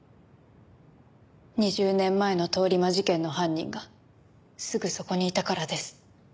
２０年前の通り魔事件の犯人がすぐそこにいたからです。